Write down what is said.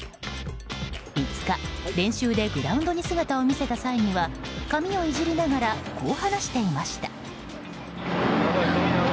５日、練習でグラウンドに姿を見せた際には髪をいじりながらこう話していました。